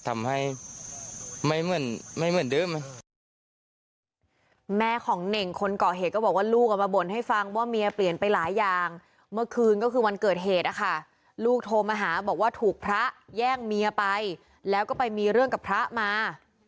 แม่ของเน่งคนเกาะเหตุก็บอกว่าลูกเอามาบ่นให้ฟังว่าเมียเปลี่ยนไปหลายอย่างเมื่อคืนก็คือวันเกิดเหตุอะค่ะลูกโทรมาหาบอกว่าถูกพระแย่งเมียไปแล้วก็ไปมีเรื่องกับพระมา